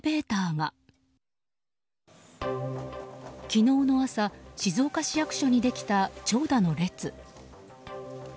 昨日の朝静岡市役所にできた長蛇の列。